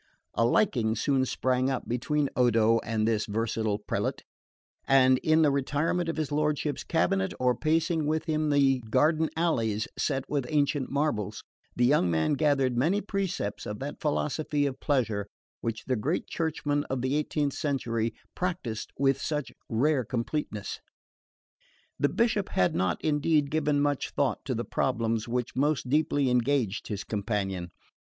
A liking soon sprang up between Odo and this versatile prelate; and in the retirement of his lordship's cabinet, or pacing with him the garden alleys set with ancient marbles, the young man gathered many precepts of that philosophy of pleasure which the great churchmen of the eighteenth century practised with such rare completeness. The Bishop had not, indeed, given much thought to the problems which most deeply engaged his companion.